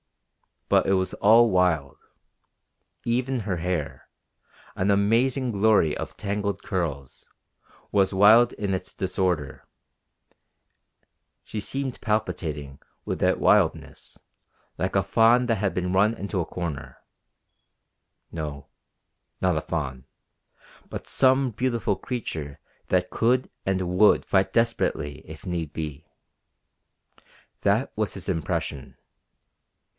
But it was all wild. Even her hair, an amazing glory of tangled curls, was wild in its disorder; she seemed palpitating with that wildness, like a fawn that had been run into a corner no, not a fawn, but some beautiful creature that could and would fight desperately if need be. That was his impression.